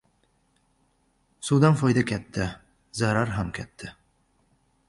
• Suvdan foyda katta, zarar ham katta.